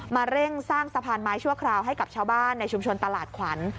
เร่งสร้างสะพานไม้ชั่วคราวให้กับชาวบ้านในชุมชนตลาดขวัญ